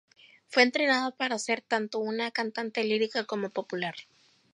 Fue entrenada para ser tanto una cantante lírica como popular.